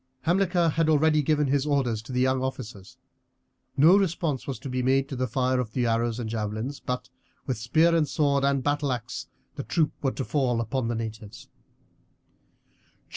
Hamilcar had already given his orders to the young officers. No response was to be made to the fire of the arrows and javelins, but with spear, sword, and battleaxe the troops were to fall upon the natives.